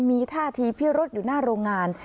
มีท่าทีเพี้ยรถอยู่หน้าโรงงาน